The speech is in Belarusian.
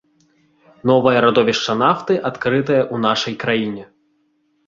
Новае радовішча нафты адкрытае ў нашай краіне.